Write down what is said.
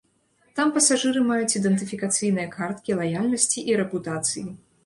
Там пасажыры маюць ідэнтыфікацыйныя карткі лаяльнасці і рэпутацыі.